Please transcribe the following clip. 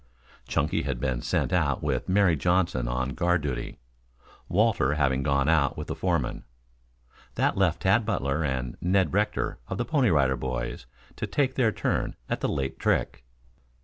Chunky had been sent out with Mary Johnson on guard duty, Walter having gone out with the foreman. That left Tad Butler and Ned Rector of the Pony Rider Boys, to take their turn on the late trick.